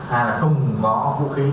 hay là cùng có vũ khí